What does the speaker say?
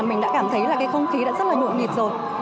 mình đã cảm thấy là cái không khí đã rất là nhộn nhịp rồi